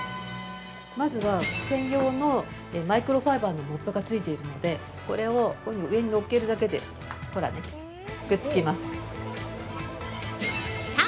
まずは、専用のマイクロファイバーのモップがついているのでこれを、こういうふうに上にのっけるだけでほら、できた。